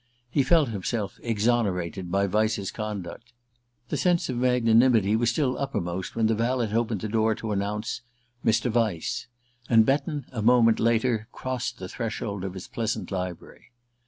He felt himself exonerated by Vyse's conduct. The sense of magnanimity was still uppermost when the valet opened the door to announce "Mr. Vyse," and Betton, a moment later, crossed the threshold of his pleasant library.